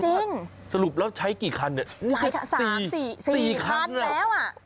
จริงสรุปแล้วใช้กี่คันเนี่ยสามสี่สี่คันแล้ว